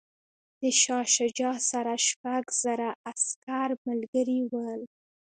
د شاه شجاع سره شپږ زره عسکر ملګري ول.